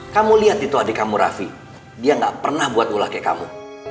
kamu liat itu adik kamu raffi dia gak pernah buat ulah kayak kamu